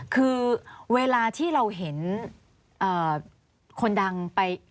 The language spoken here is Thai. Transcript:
คือเวลาที่เราเห็นคนดังไป